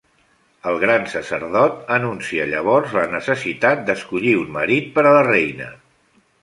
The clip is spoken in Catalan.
El gran sacerdot anuncia llavors la necessitat d'escollir un marit per a la reina.